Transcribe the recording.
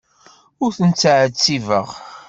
Ur ten-ttɛettibeɣ.